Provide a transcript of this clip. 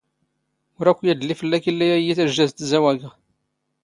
ⵓⵔ ⴰⴽⴽⵯ ⵢⴰⴷⵍⵍⵉ ⴼⵍⵍⴰⴽ ⵉⵍⵍⵉ ⴰⴷ ⵉⵢⵉ ⵜⴰⵊⵊⵜ ⴰⴷ ⵜⵜⵣⴰⵡⴰⴳⵖ.